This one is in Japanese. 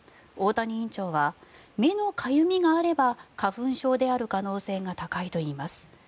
大谷院長は目のかゆみがあれば花粉症である可能性が高いといいます。